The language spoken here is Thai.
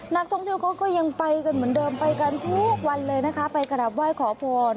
นักท่องเที่ยวเขาก็ยังไปกันเหมือนเดิมไปกันทุกวันเลยนะคะไปกราบไหว้ขอพร